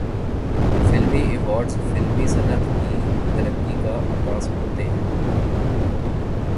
فلمی ایوارڈز فلمی صنعت کی ترقی کا عکاس ہوتے ہیں۔